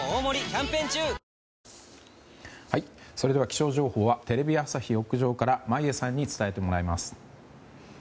気象情報はテレビ朝日屋上から眞家さんに伝えてもらいます。